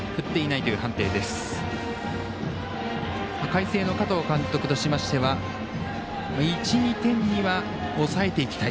海星の加藤監督としましては１２点には、抑えていきたい。